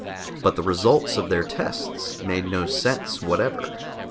But the results of their tests made no sense whatever.